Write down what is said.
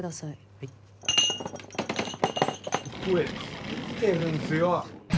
はい・食え・食ってるんすよ